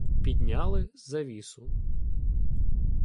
Підняли завісу.